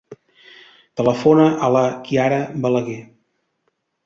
Telefona a la Kiara Balaguer.